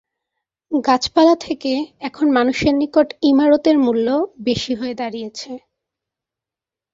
গাছপালা থেকে এখন মানুষের নিকট ইমারতের মূল্য বেশি হয়ে দাঁড়িয়েছে।